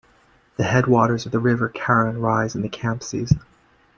The headwaters of the River Carron rise in the Campsies.